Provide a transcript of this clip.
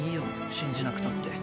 信じなくたって。